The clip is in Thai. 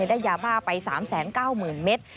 ได้ยาบ้าไป๓๙๐๐๐เมตร